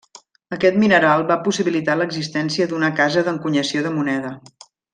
Aquest mineral va possibilitar l'existència d'una casa d'encunyació de moneda.